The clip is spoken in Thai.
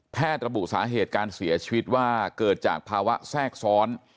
ระบุสาเหตุการเสียชีวิตว่าเกิดจากภาวะแทรกซ้อน